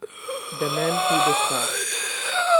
The Man with the Scar